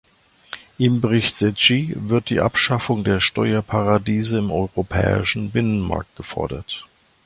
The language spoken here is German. Im Bericht Secchi wird die Abschaffung der Steuerparadiese im europäischen Binnenmarkt gefordert.